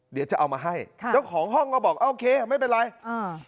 เดี๋ยวจะเอามาให้ค่ะเจ้าของห้องก็บอกโอเคไม่เป็นไรอ่า